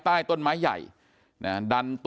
กลุ่มตัวเชียงใหม่